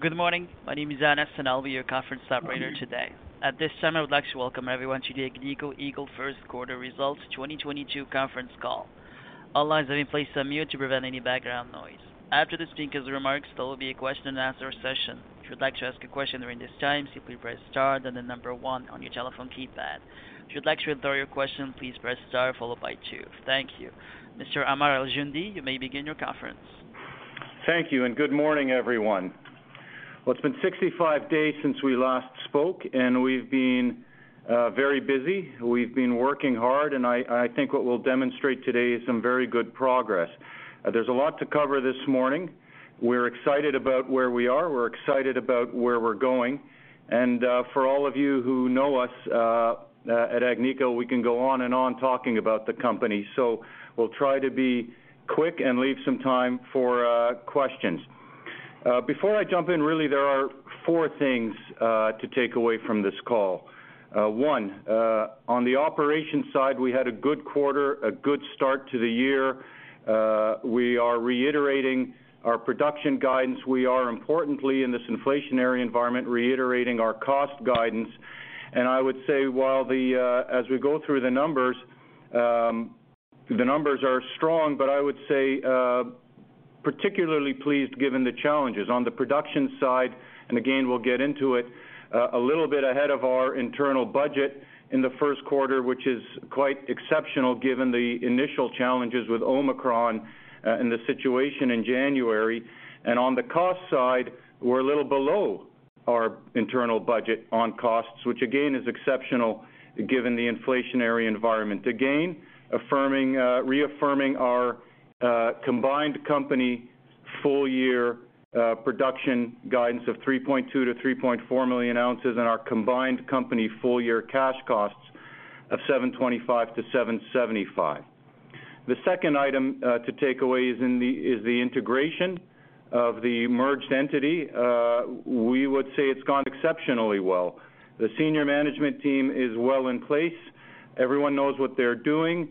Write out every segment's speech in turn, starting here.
Good morning. My name is Anas, and I'll be your conference operator today. At this time, I would like to welcome everyone to the Agnico Eagle First Quarter Results 2022 Conference Call. All lines have been placed on mute to prevent any background noise. After the speakers' remarks, there will be a question and answer session. If you would like to ask a question during this time, simply press star, then the number one on your telephone keypad. If you'd like to withdraw your question, please press star followed by two. Thank you. Mr. Ammar Al-Joundi, you may begin your conference. Thank you, and good morning, everyone. Well, it's been 65 days since we last spoke, and we've been very busy. We've been working hard, and I think what we'll demonstrate today is some very good progress. There's a lot to cover this morning. We're excited about where we are. We're excited about where we're going. For all of you who know us at Agnico, we can go on and on talking about the company. We'll try to be quick and leave some time for questions. Before I jump in, really, there are four things to take away from this call. One, on the operations side, we had a good quarter, a good start to the year. We are reiterating our production guidance. We are importantly in this inflationary environment, reiterating our cost guidance. I would say as we go through the numbers, the numbers are strong, but I would say particularly pleased given the challenges. On the production side, again, we'll get into it, a little bit ahead of our internal budget in the first quarter, which is quite exceptional given the initial challenges with Omicron and the situation in January. On the cost side, we're a little below our internal budget on costs, which again, is exceptional given the inflationary environment. Reaffirming our combined company full year production guidance of 3.2-3.4 million ounces and our combined company full year cash costs of $725-$775. The second item to take away is the integration of the merged entity. We would say it's gone exceptionally well. The senior management team is well in place. Everyone knows what they're doing.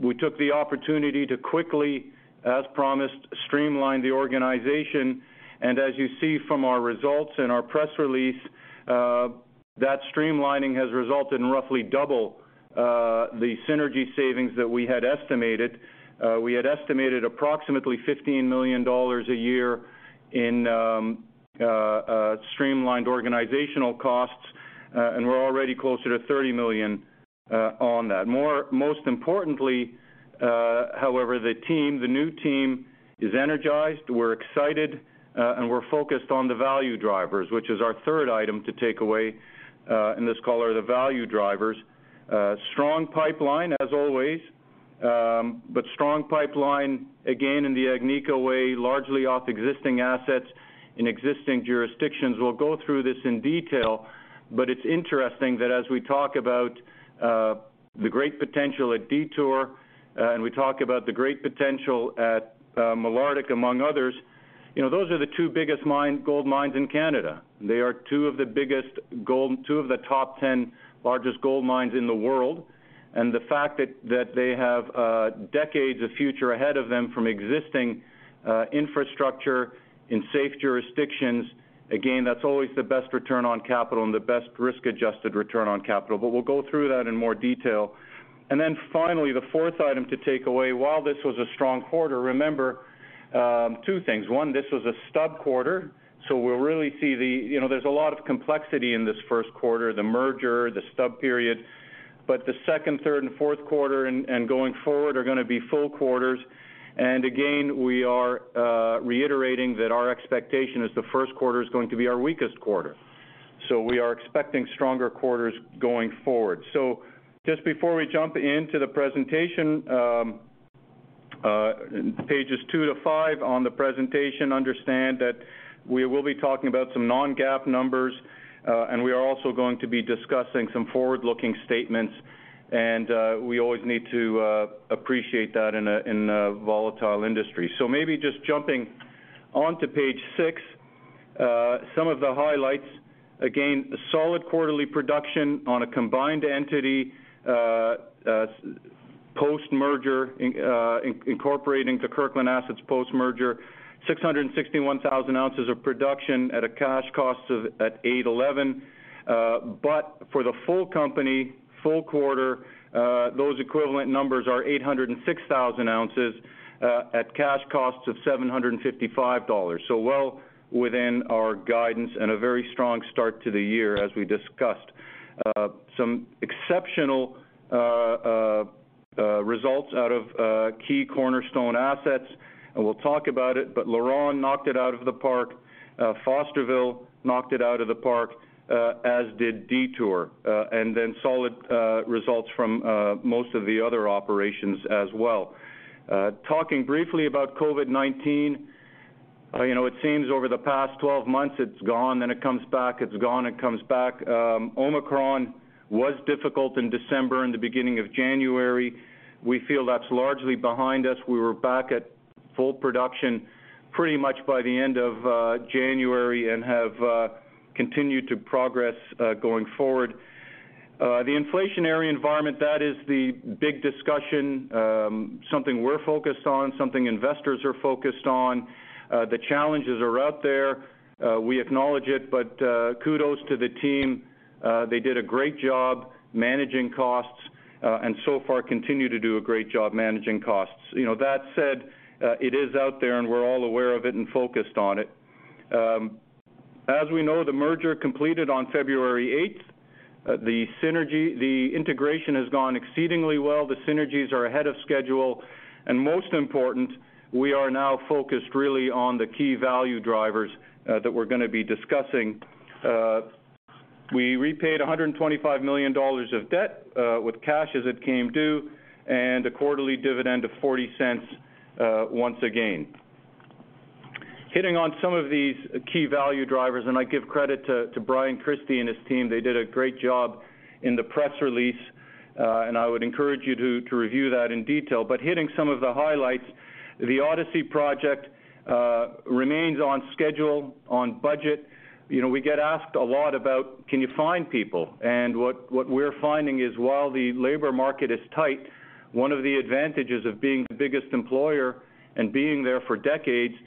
We took the opportunity to quickly, as promised, streamline the organization. As you see from our results in our press release, that streamlining has resulted in roughly double the synergy savings that we had estimated. We had estimated approximately $15 million a year in streamlined organizational costs, and we're already closer to $30 million on that. Most importantly, however, the team, the new team is energized. We're excited, and we're focused on the value drivers, which is our third item to take away in this call, the value drivers. Strong pipeline as always, but strong pipeline, again in the Agnico way, largely off existing assets in existing jurisdictions. We'll go through this in detail, but it's interesting that as we talk about the great potential at Detour and we talk about the great potential at Malartic among others, you know, those are the two biggest gold mines in Canada. They are two of the top 10 largest gold mines in the world. The fact that they have decades of future ahead of them from existing infrastructure in safe jurisdictions, again, that's always the best return on capital and the best risk-adjusted return on capital. We'll go through that in more detail. Then finally, the fourth item to take away, while this was a strong quarter, remember two things. One, this was a stub quarter, so we'll really see the. You know, there's a lot of complexity in this first quarter, the merger, the stub period, but the second, third, and fourth quarter and going forward are gonna be full quarters. Again, we are reiterating that our expectation is the first quarter is going to be our weakest quarter. We are expecting stronger quarters going forward. Just before we jump into the presentation, pages two to five on the presentation, understand that we will be talking about some non-GAAP numbers, and we are also going to be discussing some forward-looking statements, and we always need to appreciate that in a volatile industry. Maybe just jumping on to page 6, some of the highlights. Again, solid quarterly production on a combined entity, incorporating the Kirkland assets post-merger, 661,000 ounces of production at a cash cost of $811. For the full company, full quarter, those equivalent numbers are 806,000 ounces at cash costs of $755. Well within our guidance and a very strong start to the year as we discussed. Some exceptional results out of key cornerstone assets, and we'll talk about it. LaRonde knocked it out of the park, Fosterville knocked it out of the park, as did Detour. Solid results from most of the other operations as well. Talking briefly about COVID-19, you know, it seems over the past 12 months it's gone, then it comes back. It's gone, it comes back. Omicron was difficult in December and the beginning of January. We feel that's largely behind us. We were back at full production pretty much by the end of January and have continued to progress going forward. The inflationary environment, that is the big discussion, something we're focused on, something investors are focused on. The challenges are out there, we acknowledge it, but, kudos to the team, they did a great job managing costs, and so far continue to do a great job managing costs. You know, that said, it is out there and we're all aware of it and focused on it. As we know, the merger completed on February 8th. The integration has gone exceedingly well. The synergies are ahead of schedule. Most important, we are now focused really on the key value drivers that we're gonna be discussing. We repaid $125 million of debt with cash as it came due, and a quarterly dividend of $0.40 once again. Hitting on some of these key value drivers, and I give credit to Brian Christie and his team. They did a great job in the press release, and I would encourage you to review that in detail. Hitting some of the highlights, the Odyssey project remains on schedule, on budget. You know, we get asked a lot about, "Can you find people?" What we're finding is, while the labor market is tight, one of the advantages of being the biggest employer and being there for decades is,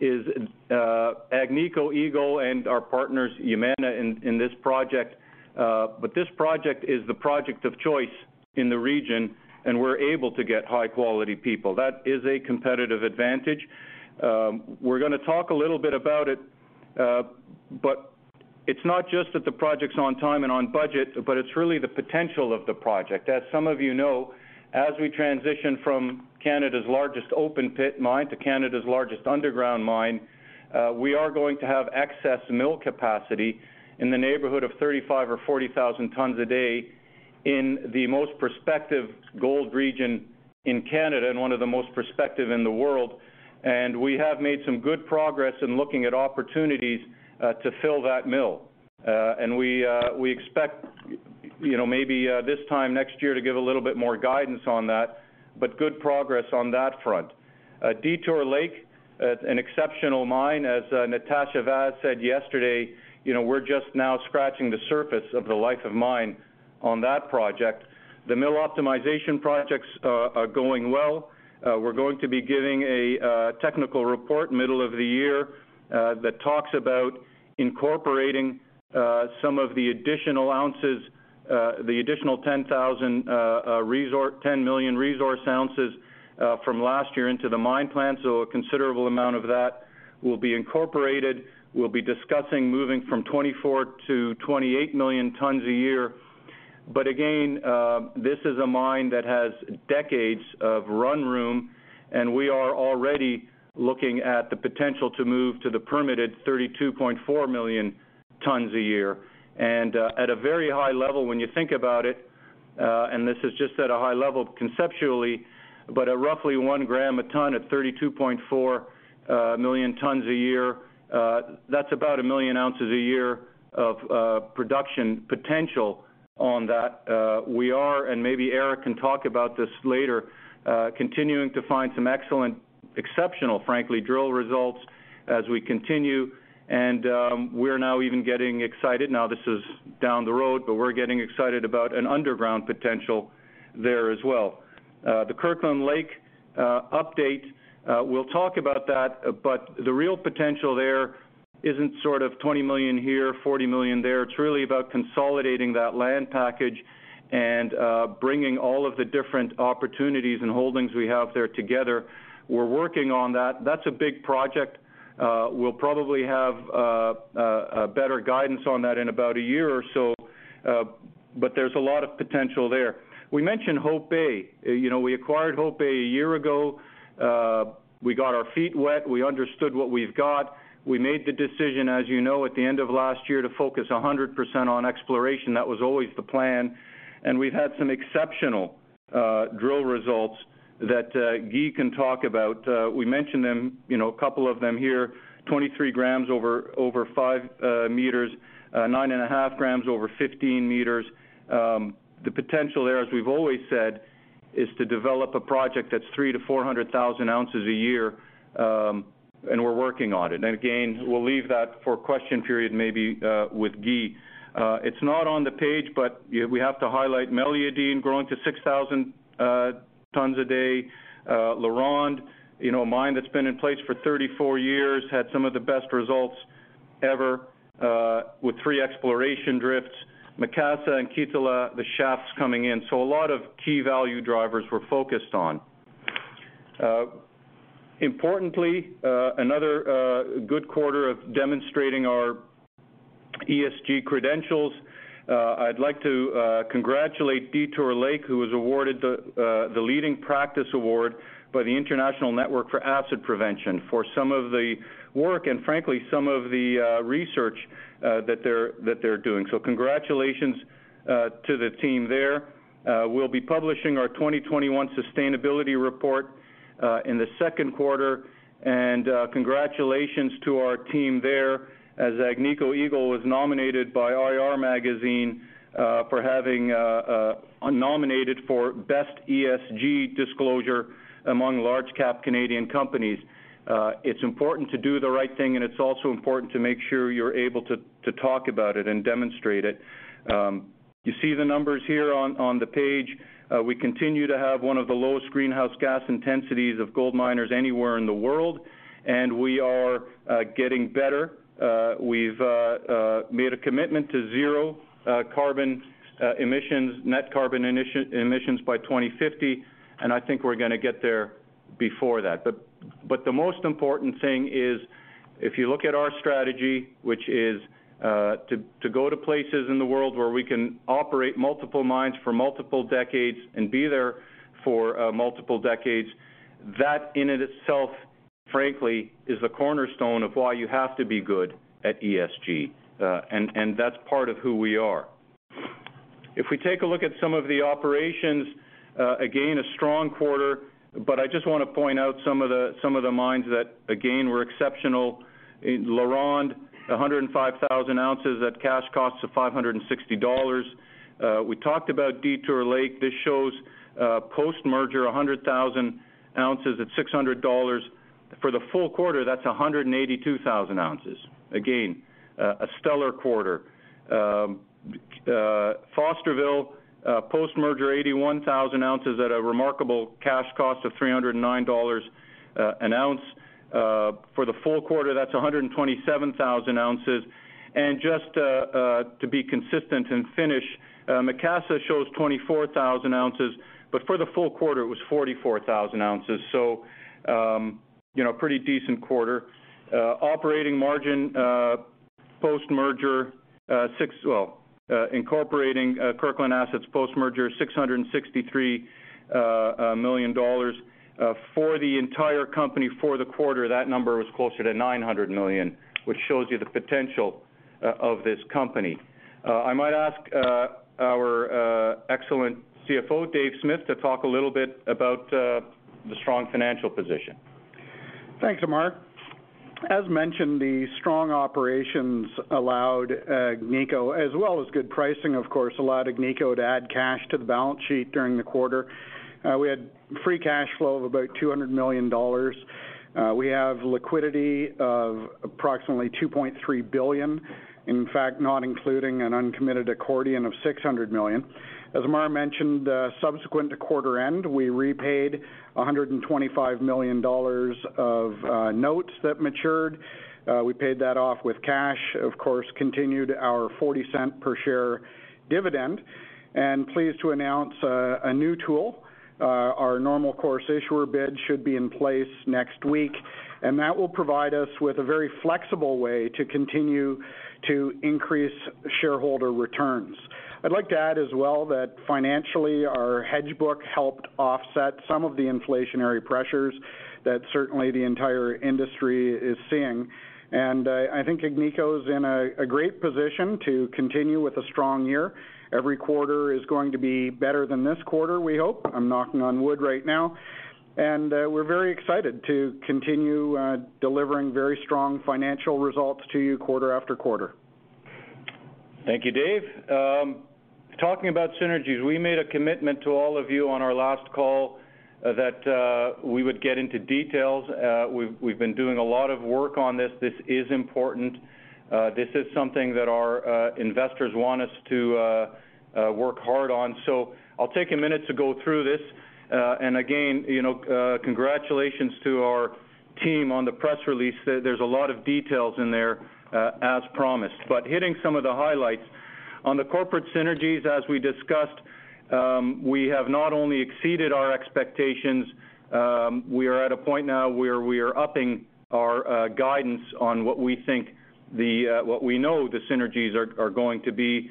Agnico Eagle and our partners, Yamana, in this project. This project is the project of choice in the region, and we're able to get high-quality people. That is a competitive advantage. We're gonna talk a little bit about it, but it's not just that the project's on time and on budget, but it's really the potential of the project. As some of you know, as we transition from Canada's largest open pit mine to Canada's largest underground mine, we are going to have excess mill capacity in the neighborhood of 35,000 or 40,000 tons a day in the most prospective gold region in Canada, and one of the most prospective in the world. We have made some good progress in looking at opportunities to fill that mill. We expect, you know, maybe this time next year to give a little bit more guidance on that, but good progress on that front. Detour Lake, an exceptional mine. As Natasha Vaz said yesterday, you know, we're just now scratching the surface of the life of mine on that project. The mill optimization projects are going well. We're going to be giving a technical report middle of the year that talks about incorporating some of the additional ounces, the additional ten million resource ounces from last year into the mine plan. A considerable amount of that will be incorporated. We'll be discussing moving from 24-28 million tons a year. Again, this is a mine that has decades of run room, and we are already looking at the potential to move to the permitted 32.4 million tons a year. At a very high level, when you think about it, and this is just at a high level conceptually, but at roughly 1 gram a ton at 32.4 million tons a year, that's about 1 million ounces a year of production potential on that. We are, and maybe Eric can talk about this later, continuing to find some excellent, exceptional, frankly, drill results as we continue. We're now even getting excited. Now, this is down the road, but we're getting excited about an underground potential there as well. The Kirkland Lake update, we'll talk about that, but the real potential there isn't sort of 20 million here, 40 million there. It's really about consolidating that land package and bringing all of the different opportunities and holdings we have there together. We're working on that. That's a big project. We'll probably have a better guidance on that in about a year or so, but there's a lot of potential there. We mentioned Hope Bay. You know, we acquired Hope Bay a year ago. We got our feet wet, we understood what we've got. We made the decision, as you know, at the end of last year, to focus 100% on exploration. That was always the plan. We've had some exceptional drill results that Guy can talk about. We mentioned them, you know, a couple of them here. 23 grams over five meters, 9.5 grams over 15 meters. The potential there, as we've always said, is to develop a project that's 300,000-400,000 ounces a year, and we're working on it. We'll leave that for question period, maybe, with Guy. It's not on the page, but we have to highlight Meliadine growing to 6,000 tons a day. LaRonde, you know, a mine that's been in place for 34 years, had some of the best results ever, with three exploration drifts. Macassa and Kittilä, the shaft's coming in. A lot of key value drivers we're focused on. Importantly, another good quarter of demonstrating our ESG credentials. I'd like to congratulate Detour Lake, who was awarded the Leading Practice Award by the International Network for Acid Prevention for some of the work and frankly, some of the research that they're doing. Congratulations to the team there. We'll be publishing our 2021 sustainability report in the second quarter. Congratulations to our team there as Agnico Eagle was nominated by IR Magazine for best ESG disclosure among large cap Canadian companies. It's important to do the right thing, and it's also important to make sure you're able to talk about it and demonstrate it. You see the numbers here on the page. We continue to have one of the lowest greenhouse gas intensities of gold miners anywhere in the world, and we are getting better. We've made a commitment to zero net carbon emissions by 2050, and I think we're gonna get there before that. The most important thing is, if you look at our strategy, which is to go to places in the world where we can operate multiple mines for multiple decades and be there for multiple decades, that in and of itself, frankly, is the cornerstone of why you have to be good at ESG. That's part of who we are. If we take a look at some of the operations, again, a strong quarter, but I just wanna point out some of the mines that, again, were exceptional. In LaRonde, 105,000 ounces at cash costs of $560. We talked about Detour Lake. This shows post-merger 100,000 ounces at $600. For the full quarter, that's 182,000 ounces. Again, a stellar quarter. Fosterville post-merger 81,000 ounces at a remarkable cash cost of $309 an ounce. For the full quarter, that's 127,000 ounces. Just to be consistent and finish, Macassa shows 24,000 ounces, but for the full quarter it was 44,000 ounces. You know, pretty decent quarter. Operating margin post-merger, incorporating Kirkland assets post-merger, $663 million. For the entire company for the quarter, that number was closer to $900 million, which shows you the potential of this company. I might ask our excellent CFO, Dave Smith, to talk a little bit about the strong financial position. Thanks, Ammar. As mentioned, the strong operations allowed, Agnico, as well as good pricing of course, allowed Agnico to add cash to the balance sheet during the quarter. We had free cash flow of about $200 million. We have liquidity of approximately $2.3 billion, in fact, not including an uncommitted accordion of $600 million. As Ammar mentioned, subsequent to quarter end, we repaid $125 million of notes that matured. We paid that off with cash, of course, continued our 40-cent per share dividend, and pleased to announce a new tool. Our normal course issuer bid should be in place next week, and that will provide us with a very flexible way to continue to increase shareholder returns. I'd like to add as well that financially, our hedge book helped offset some of the inflationary pressures that certainly the entire industry is seeing. I think Agnico's in a great position to continue with a strong year. Every quarter is going to be better than this quarter, we hope. I'm knocking on wood right now. We're very excited to continue delivering very strong financial results to you quarter after quarter. Thank you, Dave. Talking about synergies, we made a commitment to all of you on our last call that we would get into details. We've been doing a lot of work on this. This is important. This is something that our investors want us to work hard on. I'll take a minute to go through this, and again, you know, congratulations to our team on the press release. There, there's a lot of details in there, as promised. Hitting some of the highlights. On the corporate synergies, as we discussed, we have not only exceeded our expectations, we are at a point now where we are upping our guidance on what we know the synergies are going to be.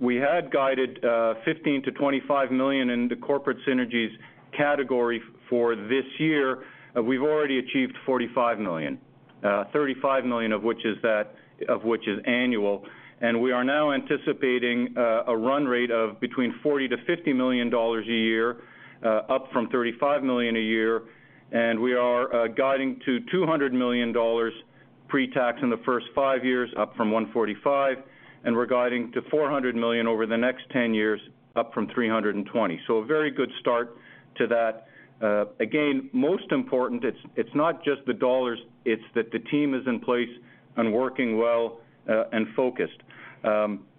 We had guided $15-$25 million in the corporate synergies category for this year. We've already achieved $45 million, $35 million of which is annual. We are now anticipating a run rate of between $40-$50 million a year, up from $35 million a year. We are guiding to $200 million pre-tax in the first 5 years, up from $145 million, and we're guiding to $400 million over the next 10 years, up from $320 million. A very good start to that. Again, most important, it's not just the dollars, it's that the team is in place and working well, and focused. I'm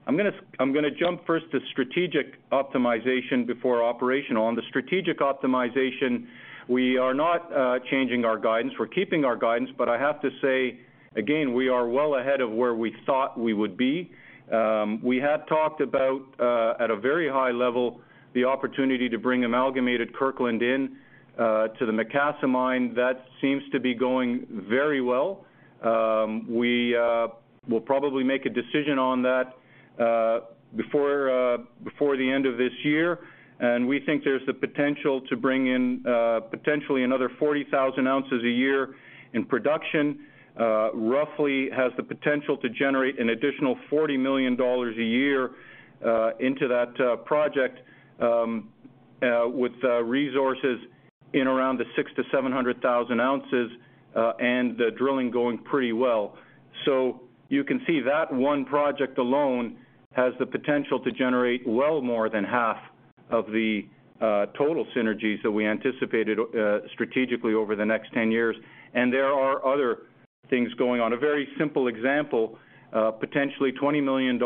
gonna jump first to strategic optimization before operational. On the strategic optimization, we are not changing our guidance. We're keeping our guidance, but I have to say, again, we are well ahead of where we thought we would be. We had talked about, at a very high level, the opportunity to bring Amalgamated Kirkland in, to the Macassa Mine. That seems to be going very well. We will probably make a decision on that, before the end of this year. We think there's the potential to bring in, potentially another 40,000 ounces a year in production. Roughly has the potential to generate an additional $40 million a year, into that project. With resources in around the 600,000-700,000 ounces, and the drilling going pretty well. You can see that one project alone has the potential to generate well more than half of the total synergies that we anticipated strategically over the next 10 years. There are other things going on. A very simple example, potentially $20 million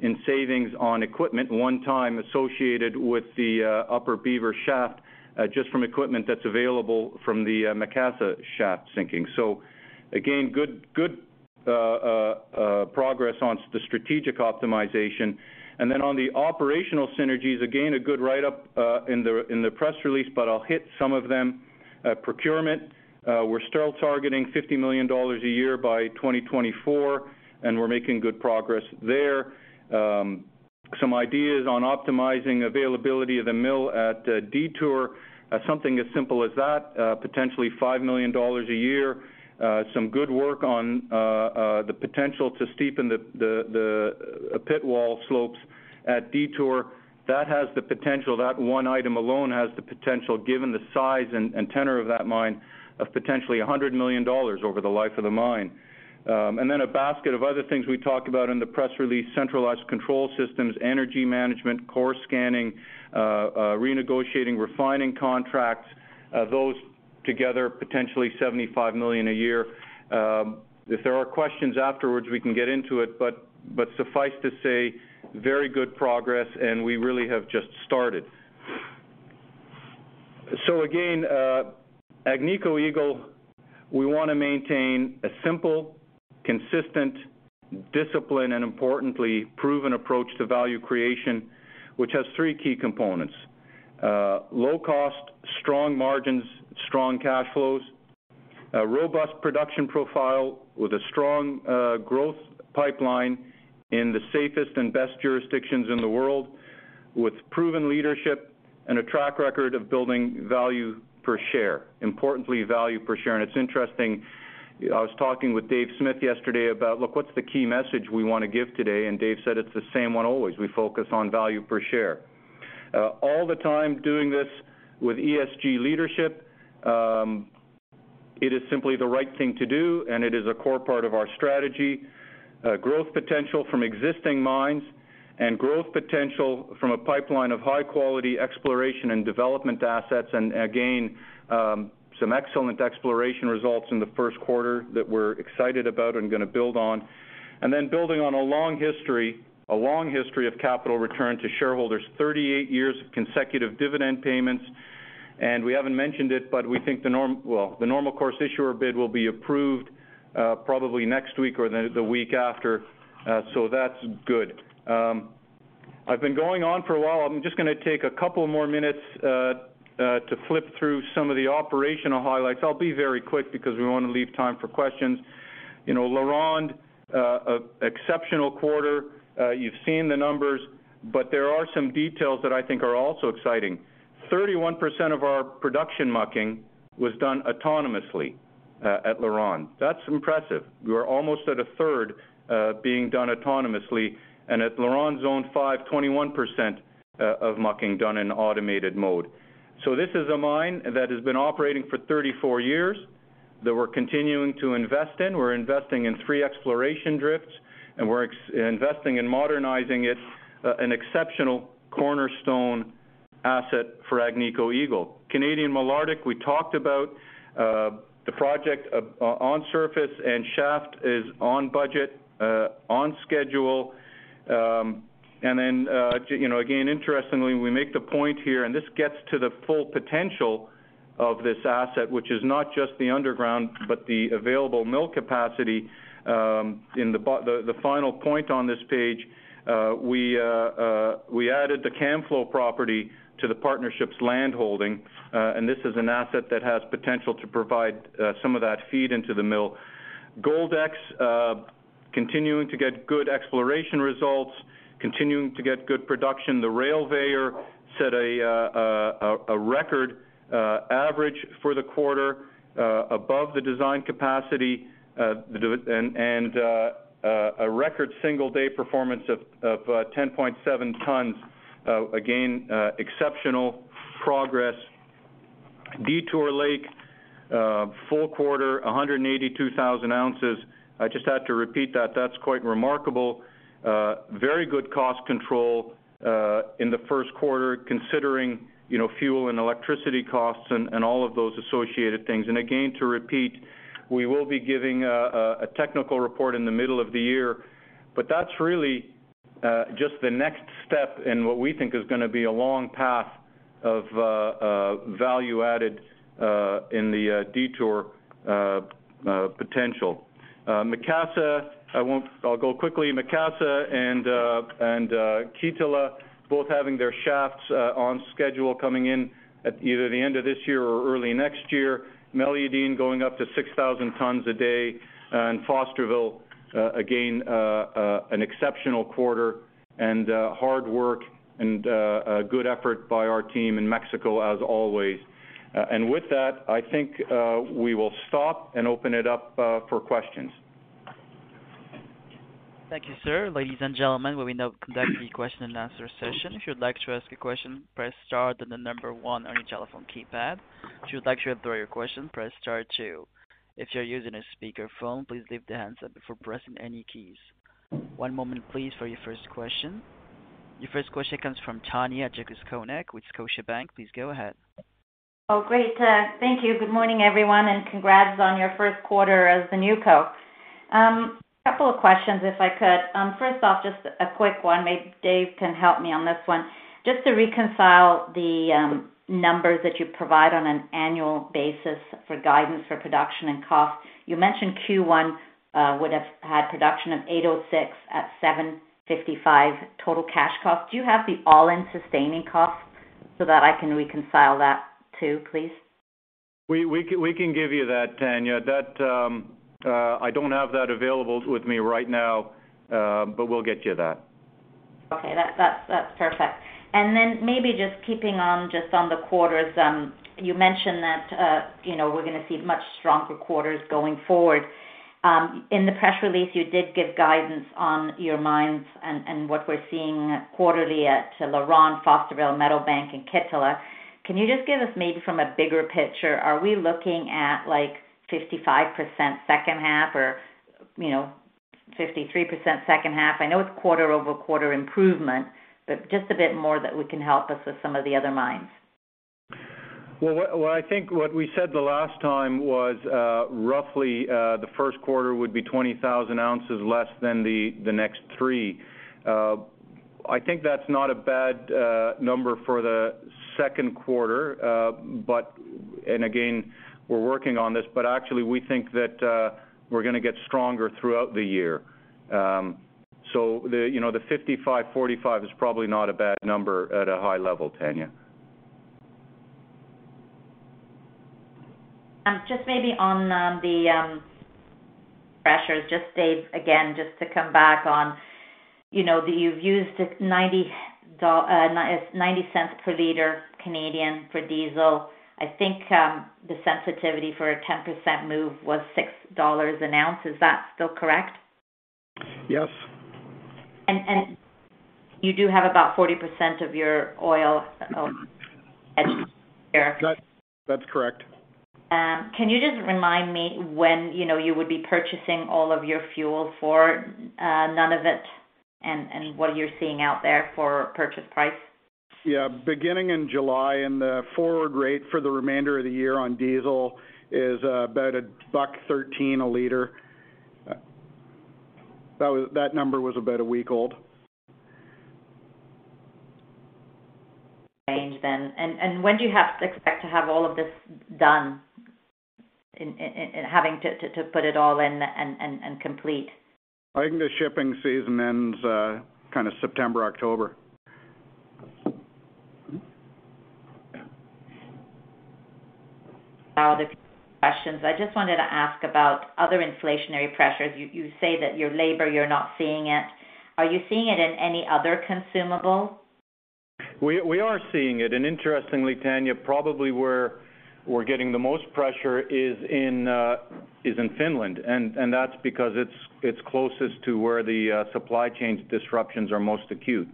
in savings on equipment one time associated with the Upper Beaver shaft just from equipment that's available from the Macassa shaft sinking. Again, good progress on the strategic optimization. Then on the operational synergies, again, a good writeup in the press release, but I'll hit some of them. Procurement, we're still targeting $50 million a year by 2024, and we're making good progress there. Some ideas on optimizing availability of the mill at Detour. Something as simple as that, potentially $5 million a year. Some good work on the potential to steepen the pit wall slopes at Detour. That has the potential, that one item alone has the potential, given the size and tenor of that mine, of potentially $100 million over the life of the mine. Then a basket of other things we talked about in the press release, centralized control systems, energy management, core scanning, renegotiating, refining contracts, those together, potentially $75 million a year. If there are questions afterwards, we can get into it, but suffice to say, very good progress, and we really have just started. Again, Agnico Eagle, we wanna maintain a simple, consistent, disciplined, and importantly, proven approach to value creation, which has three key components. Low cost, strong margins, strong cash flows. A robust production profile with a strong growth pipeline in the safest and best jurisdictions in the world with proven leadership and a track record of building value per share. Importantly, value per share. It's interesting, I was talking with David Smith yesterday about, look, what's the key message we wanna give today? Dave said it's the same one always. We focus on value per share. All the time doing this with ESG leadership, it is simply the right thing to do, and it is a core part of our strategy. Growth potential from existing mines and growth potential from a pipeline of high-quality exploration and development assets, and again, some excellent exploration results in the first quarter that we're excited about and gonna build on. Building on a long history of capital return to shareholders, 38 years of consecutive dividend payments. We haven't mentioned it, but we think the normal course issuer bid will be approved, probably next week or the week after. So that's good. I've been going on for a while. I'm just gonna take a couple more minutes to flip through some of the operational highlights. I'll be very quick because we wanna leave time for questions. You know, LaRonde, exceptional quarter. You've seen the numbers, but there are some details that I think are also exciting. 31% of our production mucking was done autonomously at LaRonde. That's impressive. We're almost at a third being done autonomously, and at LaRonde Zone 5, 21% of mucking done in automated mode. This is a mine that has been operating for 34 years, that we're continuing to invest in. We're investing in three exploration drifts, and we're investing in modernizing it, an exceptional cornerstone asset for Agnico Eagle. Canadian Malartic, we talked about, the project on surface and shaft is on budget, on schedule. You know, again, interestingly, we make the point here, and this gets to the full potential of this asset, which is not just the underground, but the available mill capacity, in the final point on this page. We added the Camflo property to the partnership's land holding, and this is an asset that has potential to provide some of that feed into the mill. Goldex, continuing to get good exploration results, continuing to get good production. The Rail-Veyor set a record average for the quarter above the design capacity and a record single-day performance of 10.7 tons. Again, exceptional progress. Detour Lake full quarter, 182,000 ounces. I just had to repeat that. That's quite remarkable. Very good cost control in the first quarter considering, you know, fuel and electricity costs and all of those associated things. Again, to repeat, we will be giving a technical report in the middle of the year, but that's really just the next step in what we think is gonna be a long path of value added in the Detour potential. Macassa, I won't. I'll go quickly. Macassa and Kittilä both having their shafts on schedule coming in at either the end of this year or early next year. Meliadine going up to 6,000 tons a day. Fosterville, again, an exceptional quarter and hard work and a good effort by our team in Mexico as always. With that, I think, we will stop and open it up for questions. Thank you, sir. Ladies and gentlemen, we will now conduct the question and answer session. If you'd like to ask a question, press star, then the number one on your telephone keypad. If you'd like to withdraw your question, press star two. If you're using a speakerphone, please leave the handset before pressing any keys. One moment please, for your first question. Your first question comes from Tanya Jakusconek with Scotiabank. Please go ahead. Oh, great. Thank you. Good morning, everyone, and congrats on your first quarter as the new co. A couple of questions, if I could. First off, just a quick one. Dave can help me on this one. Just to reconcile the numbers that you provide on an annual basis for guidance for production and cost. You mentioned Q1 would have had production of 806 at $755 total cash cost. Do you have the all-in sustaining costs so that I can reconcile that too, please? We can give you that, Tanya. I don't have that available with me right now, but we'll get you that. Okay. That's perfect. Maybe just keeping on the quarters. You mentioned that, you know, we're gonna see much stronger quarters going forward. In the press release, you did give guidance on your mines and what we're seeing quarterly at LaRonde, Fosterville, Meadowbank and Kittilä. Can you just give us maybe from a bigger picture, are we looking at, like, 55% second half or, you know, 53% second half? I know it's quarter-over-quarter improvement, but just a bit more that can help us with some of the other mines. I think what we said the last time was, roughly, the first quarter would be 20,000 ounces less than the next three. I think that's not a bad number for the second quarter, but again, we're working on this, but actually we think that we're gonna get stronger throughout the year. So you know, the 55-45 is probably not a bad number at a high level, Tanya. Just maybe on the pressures, just Dave, again, just to come back on, you know, that you've used at 0.90 per liter Canadian for diesel. I think the sensitivity for a 10% move was $6 an ounce. Is that still correct? Yes. You do have about 40% of your oil hedged there. That's correct. Can you just remind me when, you know, you would be purchasing all of your fuel for Nunavut, and what you're seeing out there for purchase price? Beginning in July, the forward rate for the remainder of the year on diesel is about 1.13 a liter. That number was about a week old. When do you expect to have all of this done in having to put it all in and complete? I think the shipping season ends kind of September, October. Other questions. I just wanted to ask about other inflationary pressures. You say that your labor, you're not seeing it. Are you seeing it in any other consumable? We are seeing it. Interestingly, Tanya, probably where we're getting the most pressure is in Finland, and that's because it's closest to where the supply chain disruptions are most acute.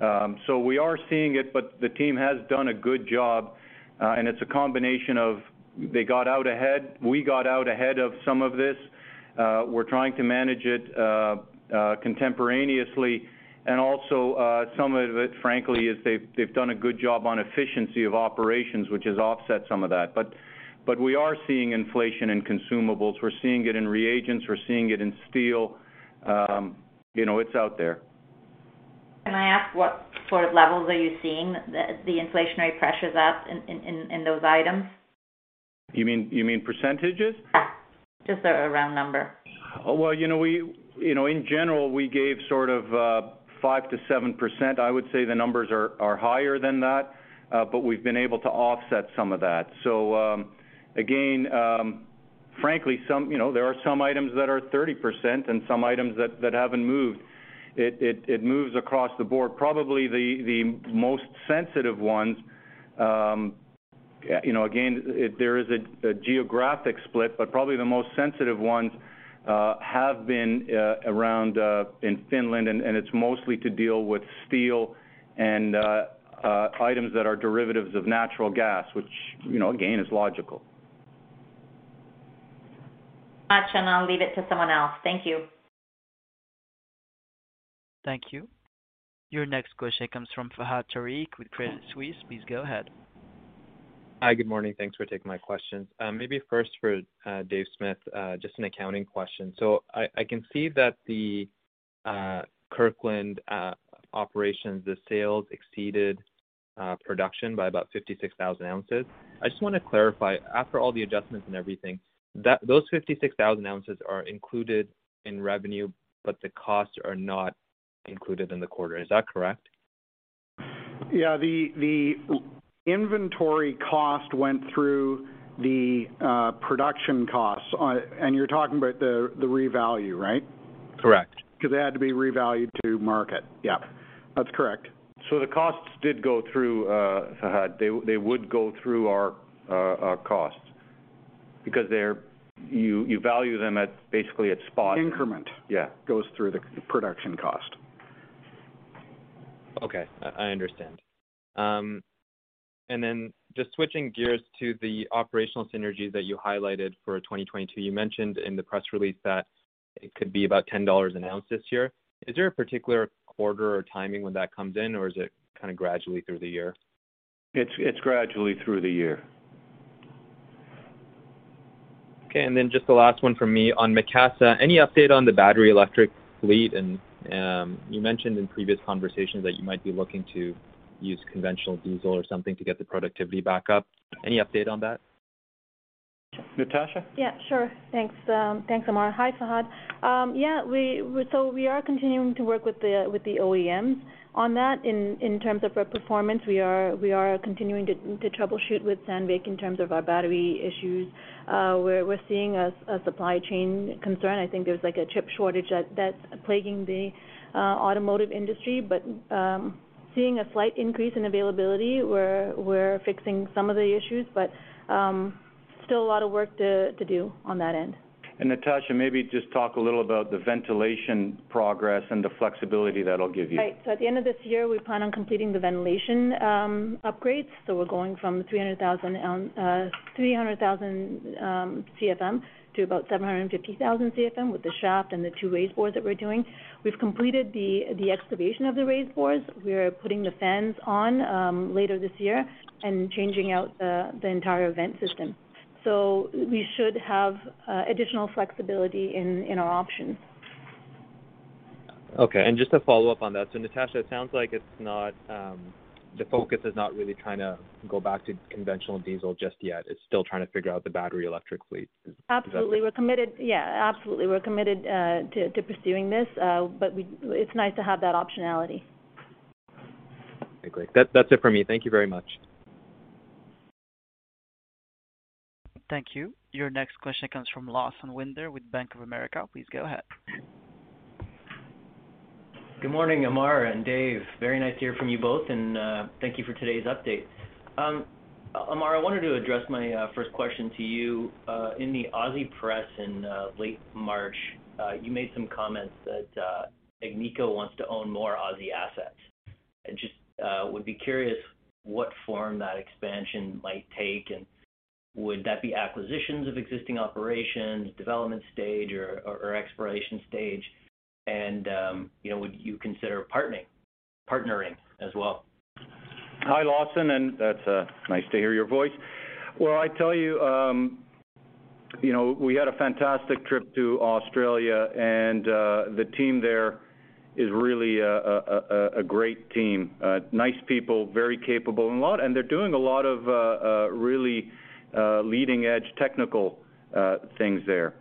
We are seeing it, but the team has done a good job, and it's a combination of they got out ahead. We got out ahead of some of this. We're trying to manage it contemporaneously. Also, some of it frankly is they've done a good job on efficiency of operations, which has offset some of that. But we are seeing inflation in consumables. We're seeing it in reagents. We're seeing it in steel. You know, it's out there. Can I ask what sort of levels are you seeing the inflationary pressures at in those items? You mean percentages? Yeah. Just a round number. Well, you know, in general, we gave sort of 5%-7%. I would say the numbers are higher than that, but we've been able to offset some of that. Again, frankly some, you know, there are some items that are 30% and some items that haven't moved. It moves across the board. Probably the most sensitive ones, you know, again, there is a geographic split, but probably the most sensitive ones have been around in Finland, and it's mostly to deal with steel and items that are derivatives of natural gas, which, you know, again, is logical. Much, I'll leave it to someone else. Thank you. Thank you. Your next question comes from Fahad Tariq with Credit Suisse. Please go ahead. Hi. Good morning. Thanks for taking my questions. Maybe first for David Smith, just an accounting question. I can see that the Kirkland Lake operations, the sales exceeded production by about 56,000 ounces. I just wanna clarify, after all the adjustments and everything, that those 56,000 ounces are included in revenue, but the costs are not included in the quarter. Is that correct? Yeah. The inventory cost went through the production costs on. You're talking about the revalue, right? Correct. 'Cause they had to be revalued to market. Yeah, that's correct. The costs did go through, Fahad. They would go through our costs. Because you value them at basically at spot. Increment- Yeah goes through the production cost. Okay. I understand. Just switching gears to the operational synergies that you highlighted for 2022, you mentioned in the press release that it could be about $10 an ounce this year. Is there a particular quarter or timing when that comes in, or is it kind of gradually through the year? It's gradually through the year. Okay. Just the last one from me on Macassa. Any update on the battery electric fleet? You mentioned in previous conversations that you might be looking to use conventional diesel or something to get the productivity back up. Any update on that? Natasha? Yeah, sure. Thanks. Thanks, Ammar. Hi, Fahad. Yeah. We are continuing to work with the OEM on that. In terms of our performance, we are continuing to troubleshoot with Sandvik in terms of our battery issues. We're seeing a supply chain concern. I think there's like a chip shortage that's plaguing the automotive industry, but seeing a slight increase in availability. We're fixing some of the issues, but still a lot of work to do on that end. Natasha, maybe just talk a little about the ventilation progress and the flexibility that'll give you. Right. At the end of this year, we plan on completing the ventilation upgrades. We're going from 300,000 CFM to about 750,000 CFM with the shaft and the two raise bores that we're doing. We've completed the excavation of the raise bores. We are putting the fans on later this year and changing out the entire vent system. We should have additional flexibility in our options. Okay. Just to follow up on that. Natasha, it sounds like it's not, the focus is not really trying to go back to conventional diesel just yet. It's still trying to figure out the battery electric fleet. Is that? Absolutely. We're committed. Yeah, absolutely, we're committed to pursuing this, but it's nice to have that optionality. Okay, great. That's it for me. Thank you very much. Thank you. Your next question comes from Lawson Winder with Bank of America. Please go ahead. Good morning, Ammar and Dave. Very nice to hear from you both, and thank you for today's update. Ammar, I wanted to address my first question to you. In the Aussie press in late March, you made some comments that Agnico wants to own more Aussie assets. I just would be curious what form that expansion might take, and would that be acquisitions of existing operations, development stage or exploration stage? You know, would you consider partnering as well? Hi, Lawson, that's nice to hear your voice. Well, I tell you know, we had a fantastic trip to Australia, and the team there is really a great team. Nice people, very capable. They're doing a lot of really leading edge technical things there.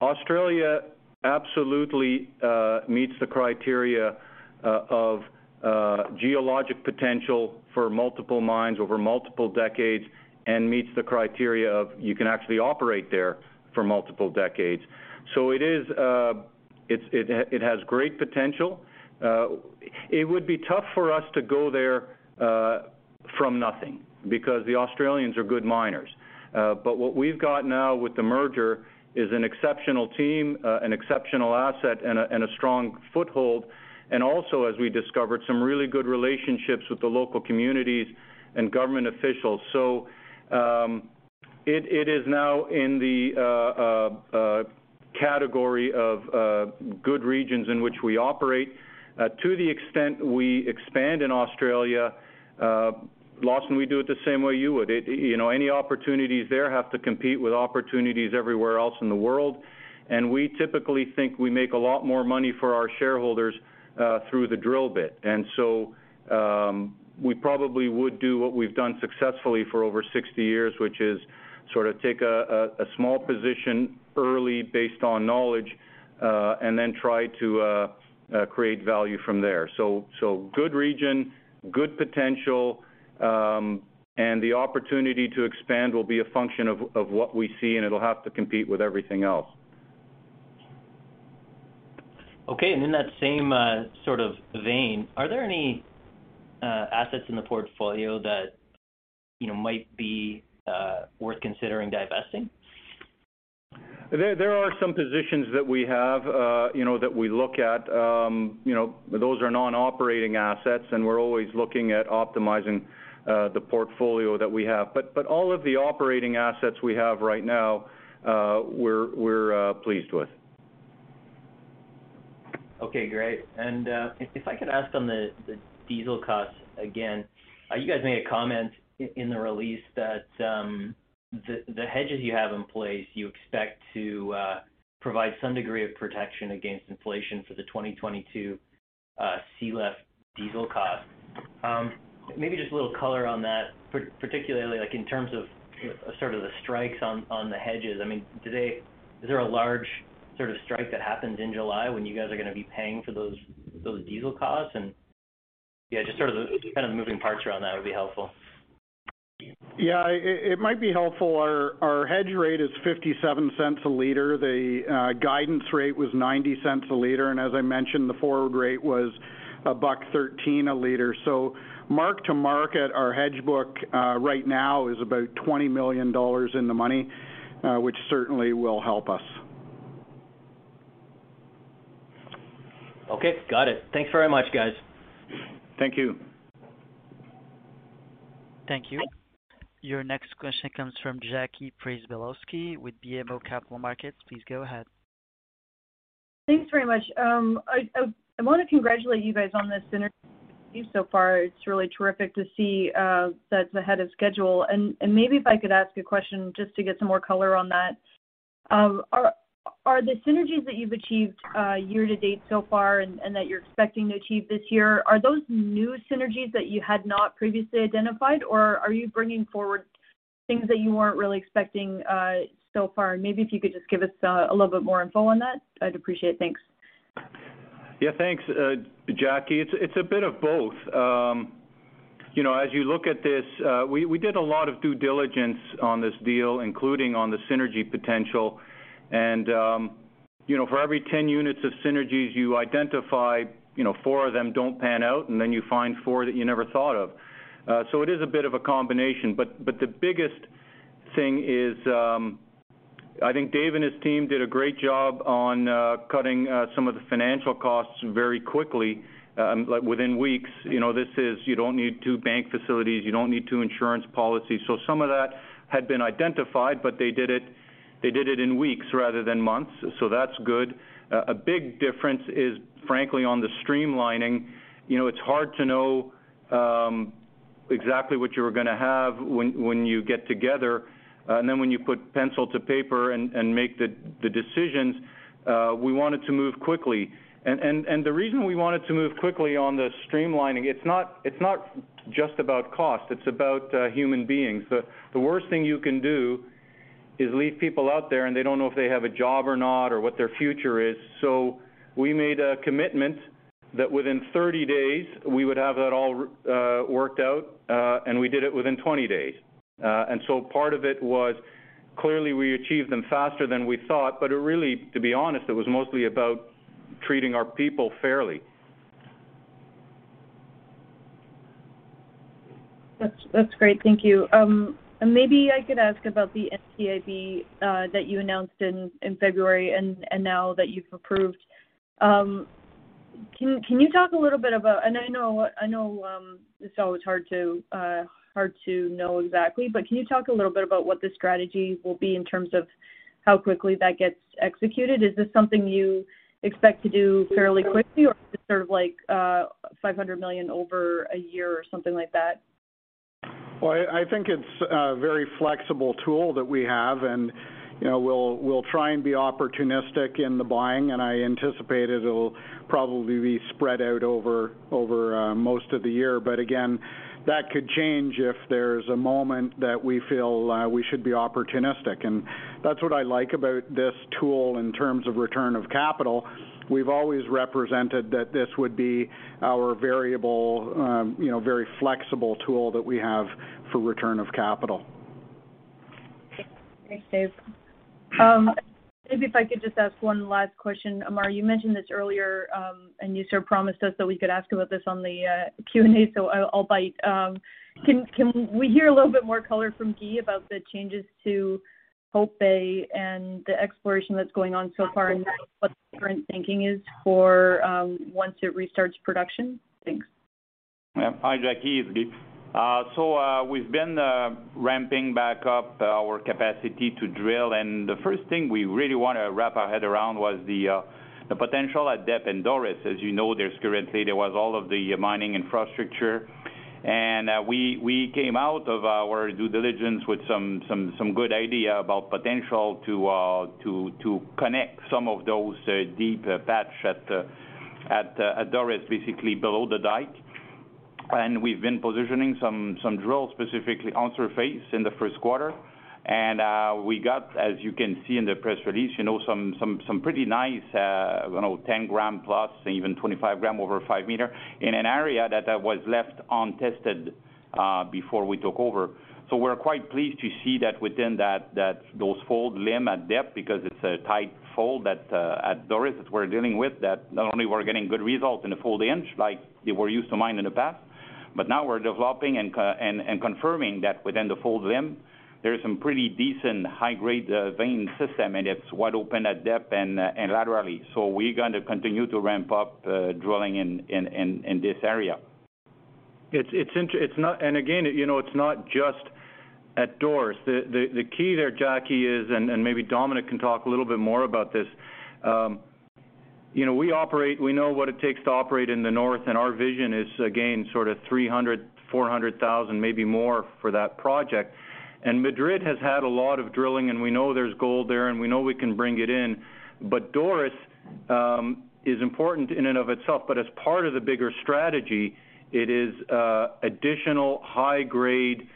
Australia absolutely meets the criteria of geologic potential for multiple mines over multiple decades and meets the criteria of you can actually operate there for multiple decades. It has great potential. It would be tough for us to go there from nothing because the Australians are good miners. What we've got now with the merger is an exceptional team, an exceptional asset and a strong foothold, and also, as we discovered, some really good relationships with the local communities and government officials. It is now in the category of good regions in which we operate. To the extent we expand in Australia, Lawson, we do it the same way you would. You know, any opportunities there have to compete with opportunities everywhere else in the world. We typically think we make a lot more money for our shareholders through the drill bit. We probably would do what we've done successfully for over 60 years, which is sort of take a small position early based on knowledge and then try to create value from there. Good region, good potential, and the opportunity to expand will be a function of what we see, and it'll have to compete with everything else. Okay. In that same sort of vein, are there any assets in the portfolio that, you know, might be worth considering divesting? There are some positions that we have, you know, that we look at. You know, those are non-operating assets, and we're always looking at optimizing the portfolio that we have. All of the operating assets we have right now, we're pleased with. Okay, great. If I could ask on the diesel costs again. You guys made a comment in the release that the hedges you have in place you expect to provide some degree of protection against inflation for the 2022 sealift diesel cost. Maybe just a little color on that, particularly like in terms of sort of the strikes on the hedges. I mean, is there a large sort of strike that happens in July when you guys are gonna be paying for those diesel costs? Yeah, just sort of the kind of moving parts around that would be helpful. Yeah. It might be helpful. Our hedge rate is 0.57 a liter. The guidance rate was 0.90 a liter, and as I mentioned, the forward rate was 1.13 a liter. Mark to market our hedge book right now is about $20 million in the money, which certainly will help us. Okay, got it. Thanks very much, guys. Thank you. Thank you. Your next question comes from Jackie Przybylowski with BMO Capital Markets. Please go ahead. Thanks very much. I want to congratulate you guys on this interview so far. It's really terrific to see that it's ahead of schedule. Maybe if I could ask a question just to get some more color on that. Are the synergies that you've achieved year to date so far and that you're expecting to achieve this year new synergies that you had not previously identified, or are you bringing forward things that you weren't really expecting so far? Maybe if you could just give us a little bit more info on that, I'd appreciate. Thanks. Yeah, thanks, Jackie. It's a bit of both. You know, as you look at this, we did a lot of due diligence on this deal, including on the synergy potential. You know, for every 10 units of synergies you identify, you know, four of them don't pan out, and then you find four that you never thought of. It is a bit of a combination, but the biggest thing is, I think Dave and his team did a great job on cutting some of the financial costs very quickly, like within weeks. You know, this is you don't need two bank facilities, you don't need two insurance policies. Some of that had been identified, but they did it in weeks rather than months, so that's good. A big difference is, frankly, on the streamlining. You know, it's hard to know exactly what you're gonna have when you get together, and then when you put pencil to paper and make the decisions, we wanted to move quickly. The reason we wanted to move quickly on the streamlining, it's not just about cost, it's about human beings. The worst thing you can do is leave people out there, and they don't know if they have a job or not or what their future is. We made a commitment that within 30 days, we would have that all worked out, and we did it within 20 days. Part of it was clearly we achieved them faster than we thought. It really, to be honest, it was mostly about treating our people fairly. That's great. Thank you. Maybe I could ask about the NCIB that you announced in February and now that you've approved. I know it's always hard to know exactly, but can you talk a little bit about what the strategy will be in terms of how quickly that gets executed? Is this something you expect to do fairly quickly or is it sort of like $500 million over a year or something like that? Well, I think it's a very flexible tool that we have, and, you know, we'll try and be opportunistic in the buying, and I anticipate it'll probably be spread out over most of the year. But again, that could change if there's a moment that we feel we should be opportunistic. That's what I like about this tool in terms of return of capital. We've always represented that this would be our variable, you know, very flexible tool that we have for return of capital. Thanks, Dave. Maybe if I could just ask one last question. Ammar, you mentioned this earlier, and you sort of promised us that we could ask about this on the Q&A, so I'll bite. Can we hear a little bit more color from Guy about the changes to Hope Bay and the exploration that's going on so far and what the current thinking is for once it restarts production? Thanks. Yeah. Hi, Jackie. It's Guy. We've been ramping back up our capacity to drill, and the first thing we really wanna wrap our head around was the potential at depth in Doris. As you know, there was all of the mining infrastructure. We came out of our due diligence with some good idea about potential to connect some of those deep patch at Doris, basically below the dike. We've been positioning some drills specifically on surface in the first quarter. We got, as you can see in the press release, you know, some pretty nice, you know, 10 gram plus, even 25 gram over 5 meter in an area that was left untested before we took over. We're quite pleased to see that within that those fold limb at depth because it's a tight fold that at Doris that we're dealing with, that not only we're getting good results in the fold hinge like they were used to mine in the past, but now we're developing and confirming that within the fold limb, there is some pretty decent high-grade vein system, and it's wide open at depth and laterally. We're going to continue to ramp up drilling in this area. It's not just at Doris. Again, you know, it's not just at Doris. The key there, Jackie, is, and maybe Dominique can talk a little bit more about this, you know, we operate, we know what it takes to operate in the north, and our vision is, again, sort of 300,000-400,000, maybe more for that project. Madrid has had a lot of drilling, and we know there's gold there and we know we can bring it in. Doris is important in and of itself. As part of the bigger strategy, it is additional high-grade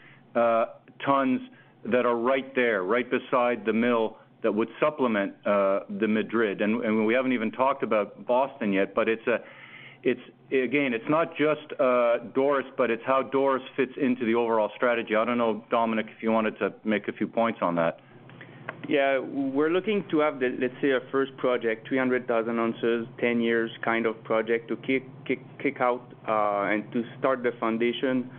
tons that are right there, right beside the mill that would supplement the Madrid. We haven't even talked about Boston yet, but it's again, it's not just Doris, but it's how Doris fits into the overall strategy. I don't know, Dominique, if you wanted to make a few points on that. Yeah. We're looking to have the, let's say, a first project, 300,000 ounces, 10 years kind of project to kick out, and to start the foundation.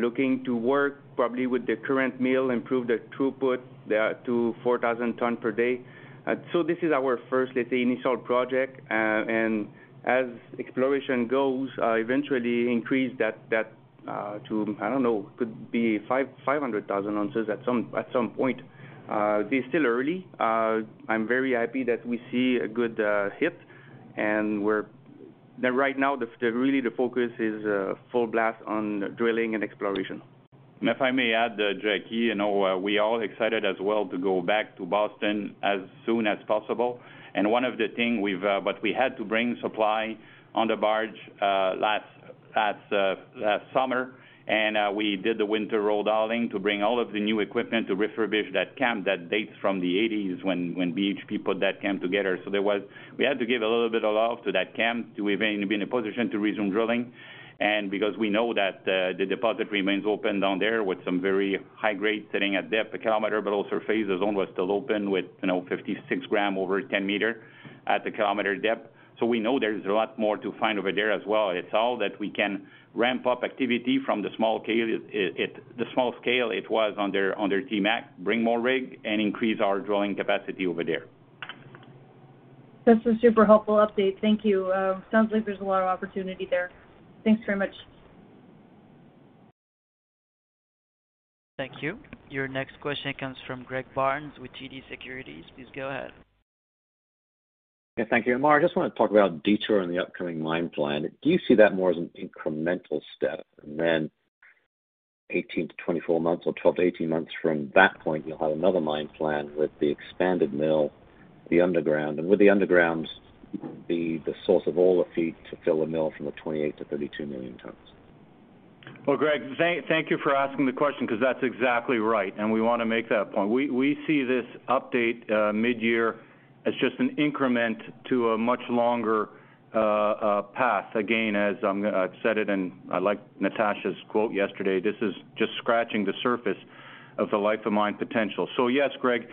Looking to work probably with the current mill, improve the throughput there to 4,000 tons per day. This is our first, let's say, initial project. As exploration goes, eventually increase that to, I don't know, could be 500,000 ounces at some point. It's still early. I'm very happy that we see a good hit. Right now, really the focus is full blast on drilling and exploration. If I may add, Jackie, you know, we are all excited as well to go back to Boston as soon as possible. One of the thing we've, but we had to bring supply on the barge, last summer. We did the winter road hauling to bring all of the new equipment to refurbish that camp that dates from the 1980s when BHP put that camp together. So there was. We had to give a little bit of love to that camp to even be in a position to resume drilling. Because we know that the deposit remains open down there with some very high grade sitting at depth, a kilometer below surface. The zone was still open with, you know, 56 gram over 10 meter at the kilometer depth. We know there's a lot more to find over there as well. It's all that we can ramp up activity from the small scale it was under TMAC, bring more rig, and increase our drilling capacity over there. That's a super helpful update. Thank you. Sounds like there's a lot of opportunity there. Thanks very much. Thank you. Your next question comes from Greg Barnes with TD Securities. Please go ahead. Yeah, thank you. Ammar, I just want to talk about Detour and the upcoming mine plan. Do you see that more as an incremental step? Eighteen to twenty-four months or twelve to eighteen months from that point, you'll have another mine plan with the expanded mill, the underground. Would the underground be the source of all the feed to fill the mill from the twenty-eight to thirty-two million tons? Well, Greg, thank you for asking the question because that's exactly right, and we want to make that point. We see this update midyear as just an increment to a much longer path. Again, as I've said it, and I like Natasha's quote yesterday, this is just scratching the surface of the life of mine potential. Yes, Greg,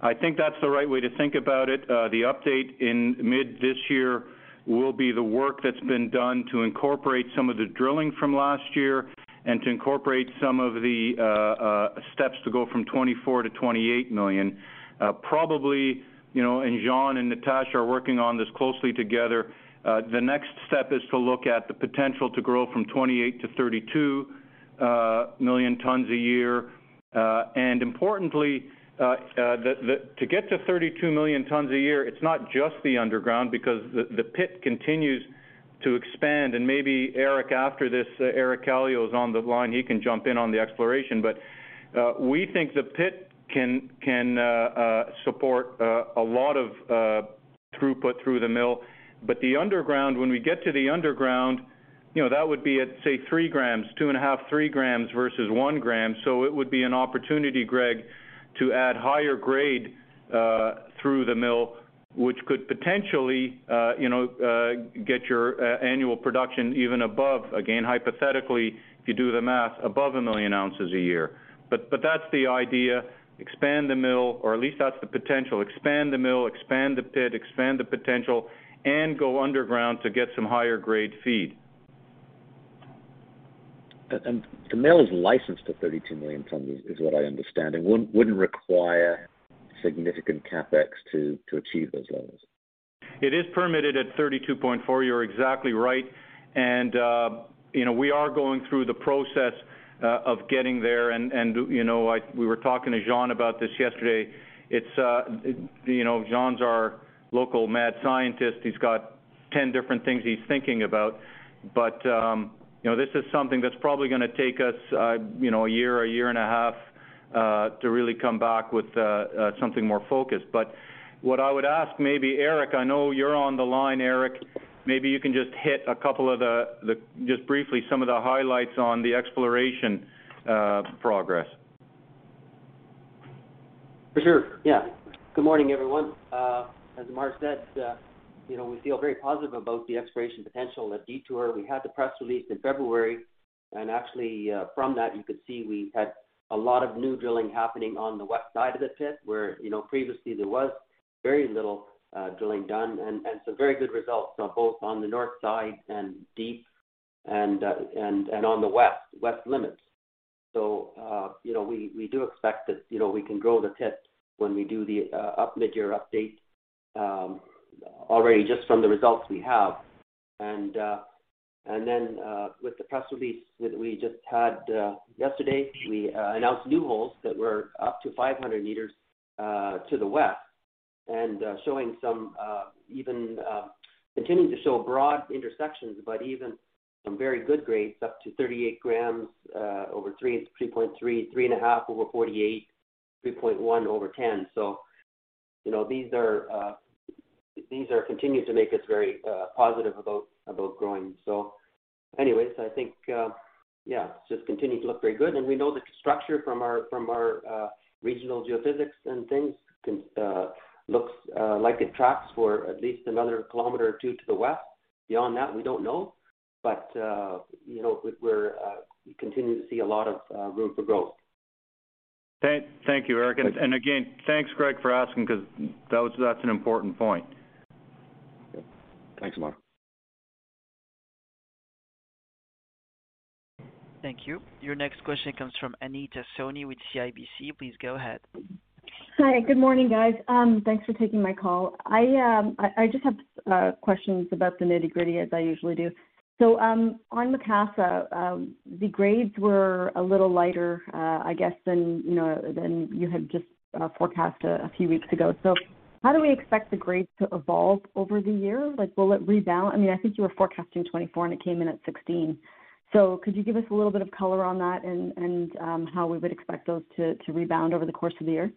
I think that's the right way to think about it. The update in mid this year will be the work that's been done to incorporate some of the drilling from last year and to incorporate some of the steps to go from 24-28 million. Probably, you know, and Jean and Natasha are working on this closely together, the next step is to look at the potential to grow from 28-32 million tons a year. Importantly, to get to 32 million tons a year, it's not just the underground because the pit continues to expand. Maybe Eric, after this, Eric Kallio is on the line, he can jump in on the exploration. We think the pit can support a lot of throughput through the mill. The underground, when we get to the underground, you know, that would be at, say, 3 grams, 2.5, 3 grams versus 1 gram. It would be an opportunity, Greg, to add higher grade through the mill, which could potentially, you know, get your annual production even above, again, hypothetically, if you do the math, above 1 million ounces a year. that's the idea, expand the mill, or at least that's the potential, expand the mill, expand the pit, expand the potential, and go underground to get some higher grade feed. The mill is licensed to 32 million tons, is what I understand, and wouldn't require significant CapEx to achieve those levels. It is permitted at 32.4. You're exactly right. We are going through the process of getting there and we were talking to Jean about this yesterday. It's Jean is our local mad scientist. He's got 10 different things he's thinking about. This is something that's probably gonna take us a year, a year and a half to really come back with something more focused. What I would ask maybe Eric, I know you're on the line, Eric, maybe you can just hit a couple of the just briefly, some of the highlights on the exploration progress. For sure. Yeah. Good morning, everyone. As Ammar said, you know, we feel very positive about the exploration potential at Detour. We had the press release in February, and actually, from that, you could see we had a lot of new drilling happening on the west side of the pit, where, you know, previously there was very little drilling done, and some very good results both on the north side and deep and on the west limits. You know, we do expect that, you know, we can grow the pit when we do the midyear update already just from the results we have. Then, with the press release that we just had yesterday, we announced new holes that were up to 500 meters to the west and showing some even continuing to show broad intersections, but even some very good grades, up to 38 grams over 3.3, 3.5 over 48, 3.1 over 10. You know, these are continuing to make us very positive about growing. Anyways, I think, yeah, it's just continuing to look very good. We know the structure from our regional geophysics and things can looks like it tracks for at least another kilometer or two to the west. Beyond that, we don't know. you know, we continue to see a lot of room for growth. Thank you, Eric. Again, thanks Greg for asking because that was, that's an important point. Thanks, Ammar. Thank you. Your next question comes from Anita Soni with CIBC. Please go ahead. Hi, good morning, guys. Thanks for taking my call. I just have questions about the nitty-gritty as I usually do. On Macassa, the grades were a little lighter, I guess, than you know than you had just forecasted a few weeks ago. How do we expect the grades to evolve over the year? Like, will it rebound? I mean, I think you were forecasting 24, and it came in at 16. Could you give us a little bit of color on that and how we would expect those to rebound over the course of the year?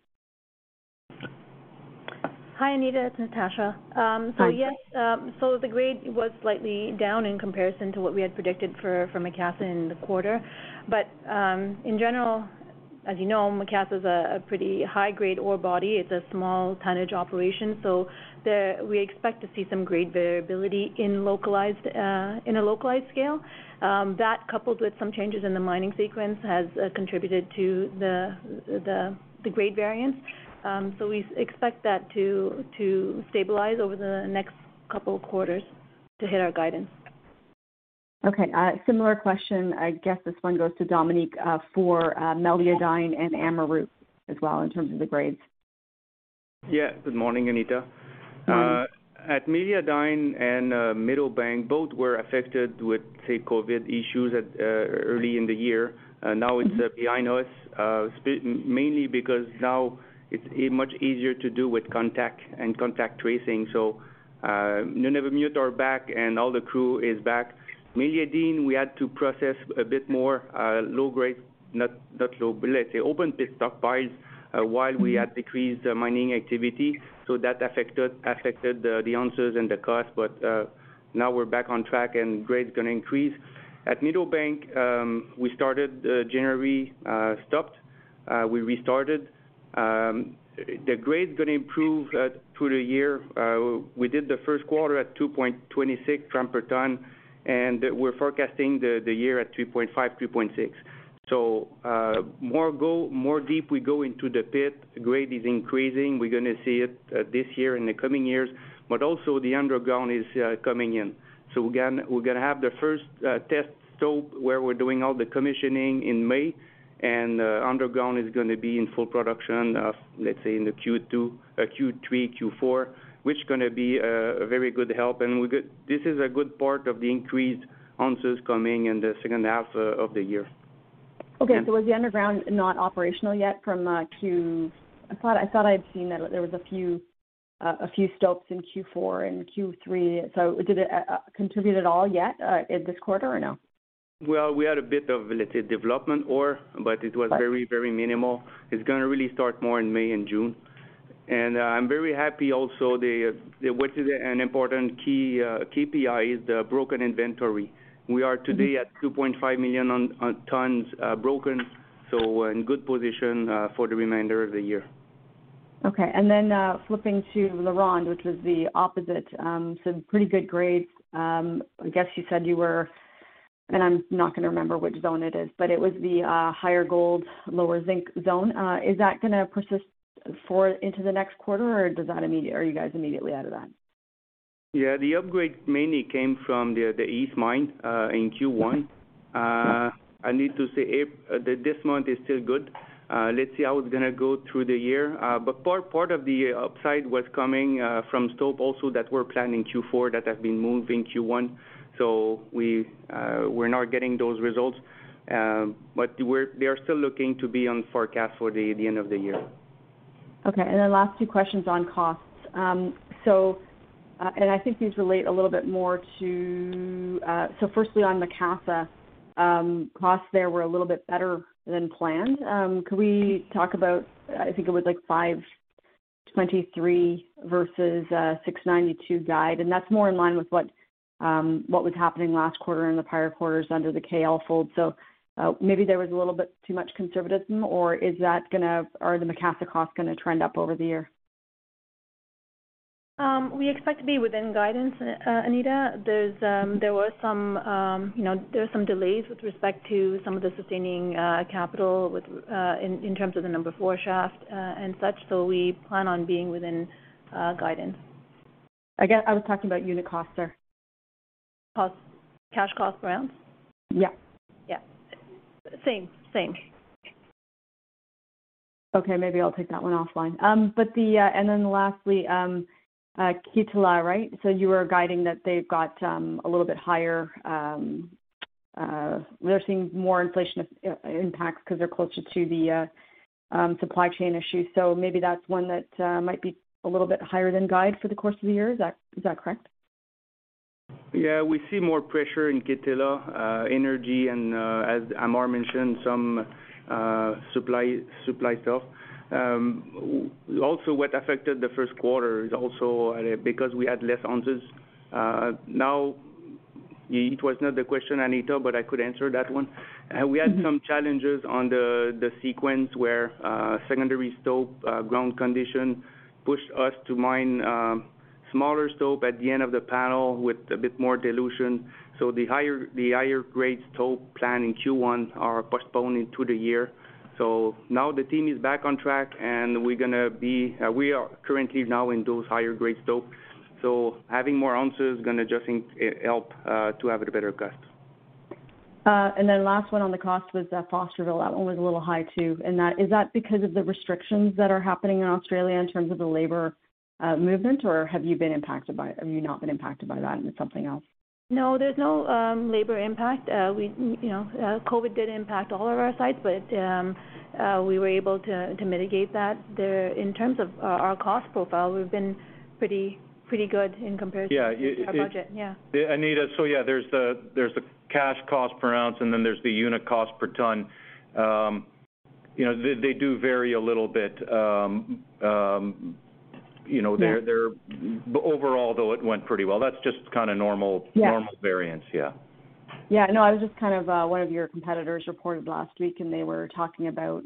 Hi, Anita, it's Natasha. Hi. Yes, the grade was slightly down in comparison to what we had predicted for Macassa in the quarter. In general, as you know, Macassa's a pretty high-grade ore body. It's a small tonnage operation, so we expect to see some grade variability in a localized scale. That coupled with some changes in the mining sequence has contributed to the grade variance. We expect that to stabilize over the next couple of quarters to hit our guidance. Okay. Similar question, I guess this one goes to Dominique for Meliadine and Amaruq as well in terms of the grades. Yeah. Good morning, Anita. At Meliadine and Meadowbank, both were affected with, say, COVID issues early in the year. Now it's behind us, mainly because now it's much easier to do contact tracing. Nunavummiut are back, and all the crew is back. Meliadine, we had to process a bit more low grade, not low, but let's say open pit stockpiles while we had decreased mining activity, so that affected the ounces and the cost. Now we're back on track, and grade's gonna increase. At Meadowbank, we started January, stopped, we restarted. The grade's gonna improve through the year. We did the first quarter at 2.26 grams per ton, and we're forecasting the year at 2.5-2.6. The more we go, the deeper we go into the pit, grade is increasing. We're gonna see it this year and the coming years. The underground is coming in. Again, we're gonna have the first test stope, where we're doing all the commissioning in May, and underground is gonna be in full production, let's say in the Q2, Q3, Q4, which gonna be a very good help. This is a good part of the increased ounces coming in the second half of the year. Okay. Yeah. Was the underground not operational yet? I thought I'd seen that there was a few stopes in Q4 and Q3. Did it contribute at all yet in this quarter or no? Well, we had a bit of, let's say, development ore, but it was. Right Very, very minimal. It's gonna really start more in May and June. I'm very happy also the which is an important key KPI is the broken inventory. We are today at 2.5 million tons broken, so in good position for the remainder of the year. Okay. Flipping to LaRonde, which was the opposite, some pretty good grades. I guess I'm not gonna remember which zone it is, but it was the higher gold, lower zinc zone. Is that gonna persist into the next quarter, or are you guys immediately out of that? Yeah. The upgrade mainly came from the East Mine in Q1. I need to say if this month is still good, let's see how it's gonna go through the year. Part of the upside was coming from stope also that we're planning Q4 that have been moved in Q1. We're now getting those results. They're still looking to be on forecast for the end of the year. Okay. Last two questions on costs. Firstly on Macassa, costs there were a little bit better than planned. Could we talk about, I think it was like $523 versus $692 guide, and that's more in line with what was happening last quarter and the prior quarters under the Kirkland Lake Gold. Maybe there was a little bit too much conservatism, or are the Macassa costs gonna trend up over the year? We expect to be within guidance, Anita. There were some, you know, delays with respect to some of the sustaining capital in terms of the Number 4 Shaft and such, so we plan on being within guidance. Again, I was talking about unit costs there. Cost, cash cost guidance? Yeah. Yeah. Same. Okay, maybe I'll take that one offline. Then lastly, Kittilä, right? You were guiding that they've got a little bit higher, they're seeing more inflation impact 'cause they're closer to the supply chain issue. Maybe that's one that might be a little bit higher than guided for the course of the year. Is that correct? Yeah. We see more pressure in Kittilä, energy and, as Ammar mentioned, some supply stuff. Also what affected the first quarter is also because we had less ounces. Now it was not the question, Anita, but I could answer that one. Mm-hmm. We had some challenges on the sequence where secondary stope ground condition pushed us to mine smaller stope at the end of the panel with a bit more dilution. The higher grade stope plan in Q1 are postponed into the year. Now the team is back on track, and we are currently now in those higher grade stope. Having more ounces gonna just help to have a better cost. Last one on the cost was Fosterville. That one was a little high too, and is that because of the restrictions that are happening in Australia in terms of the labor movement or have you not been impacted by that and it's something else? No, there's no labor impact. We, you know, COVID did impact all of our sites, but we were able to mitigate that. In terms of our cost profile, we've been pretty good in comparison. Yeah. to our budget. Yeah. Anita, yeah, there's the cash cost per ounce, and then there's the unit cost per ton. You know, they do vary a little bit. Yeah. Overall, though, it went pretty well. That's just kinda normal. Yeah. Normal variance, yeah. No, I was just kind of, one of your competitors reported last week, and they were talking about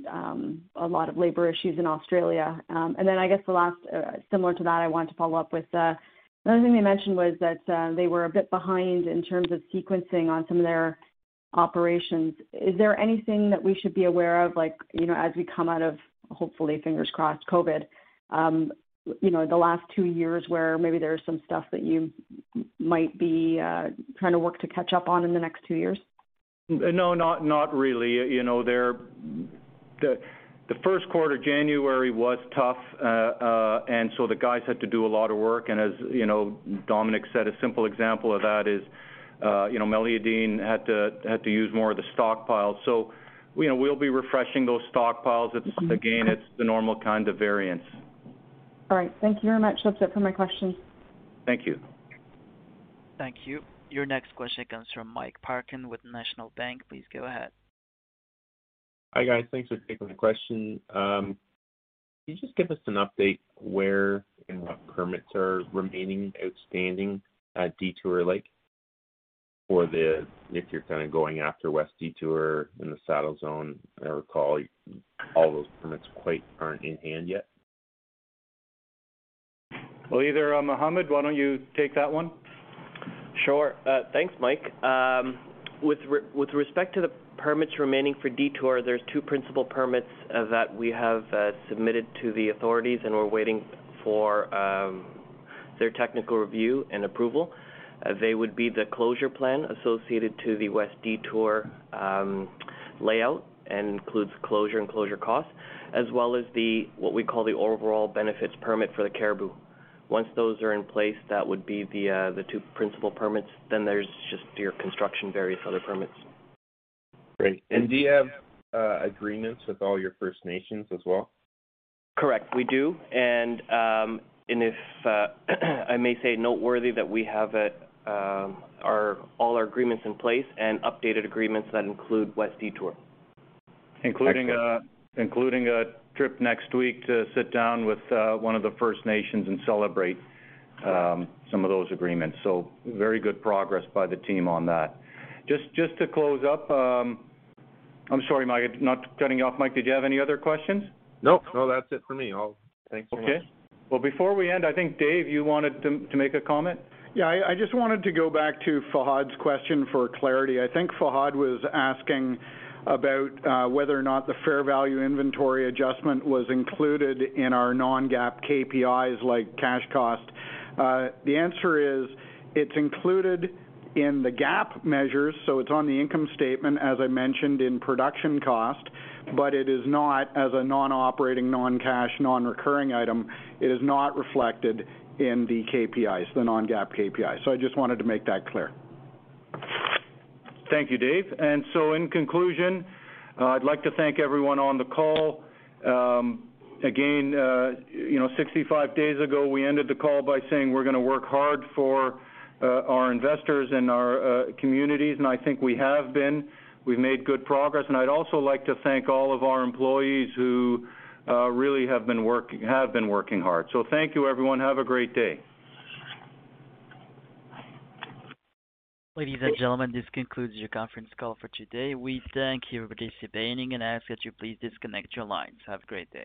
a lot of labor issues in Australia. Then I guess the last similar to that, I wanted to follow up with another thing they mentioned was that they were a bit behind in terms of sequencing on some of their operations. Is there anything that we should be aware of, like, you know, as we come out of, hopefully, fingers crossed, COVID, you know, the last two years where maybe there's some stuff that you might be trying to work to catch up on in the next two years? No, not really. You know, the first quarter, January, was tough. The guys had to do a lot of work. As you know, Dominique said, a simple example of that is, you know, Meliadine had to use more of the stockpile. You know, we'll be refreshing those stockpiles. It's again the normal kind of variance. All right. Thank you very much. That's it for my questions. Thank you. Thank you. Your next question comes from Mike Parkin with National Bank. Please go ahead. Hi, guys. Thanks for taking the question. Can you just give us an update where and what permits are remaining outstanding at Detour Lake for the, if you're kind of going after West Detour in the Saddle Zone? I recall all those permits aren't quite in hand yet. Well, Dave or Mohammed, why don't you take that one? Sure. Thanks, Mike. With respect to the permits remaining for Detour, there are two principal permits that we have submitted to the authorities and are waiting for their technical review and approval. They would be the closure plan associated to the West Detour layout, and includes closure and closure costs, as well as what we call the overall benefits permit for the Caribou. Once those are in place, that would be the two principal permits. Then there's just your construction, various other permits. Great. Do you have agreements with all your First Nations as well? Correct, we do. If I may say noteworthy that we have all our agreements in place and updated agreements that include Detour West. Including a trip next week to sit down with one of the First Nations and celebrate some of those agreements. Very good progress by the team on that. Just to close up. I'm sorry, Mike. Not cutting you off, Mike. Did you have any other questions? Nope. No, that's it for me. Thanks so much. Okay. Well, before we end, I think, Dave, you wanted to make a comment. I just wanted to go back to Fahad's question for clarity. I think Fahad was asking about whether or not the fair value inventory adjustment was included in our non-GAAP KPIs like cash cost. The answer is it's included in the GAAP measures, so it's on the income statement, as I mentioned, in production cost, but it is not as a non-operating, non-cash, non-recurring item. It is not reflected in the KPIs, the non-GAAP KPIs. I just wanted to make that clear. Thank you, Dave. In conclusion, I'd like to thank everyone on the call. Again, you know, 65 days ago, we ended the call by saying we're gonna work hard for our investors and our communities, and I think we have been. We've made good progress. I'd also like to thank all of our employees who really have been working hard. Thank you, everyone. Have a great day. Ladies and gentlemen, this concludes your conference call for today. We thank you for participating and ask that you please disconnect your lines. Have a great day.